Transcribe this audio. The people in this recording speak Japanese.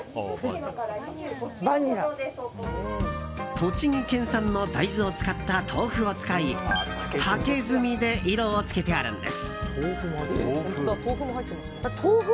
栃木県産の大豆を使った豆腐を使い竹炭で色を付けてあるんです。